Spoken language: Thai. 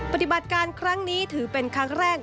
ปฏิบัติการครั้งนี้ถือเป็นครั้งแรก